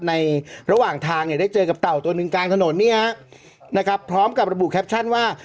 ในระหว่างทางเนี่ยได้เจอกับเต่าตัวหนึ่งกลางถนนเนี่ยฮะนะครับพร้อมกับระบุแคปชั่นว่า